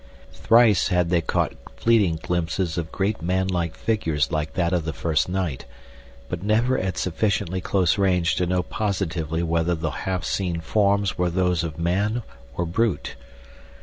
Thrice had they caught fleeting glimpses of great man like figures like that of the first night, but never at sufficiently close range to know positively whether the half seen forms were those of man or brute.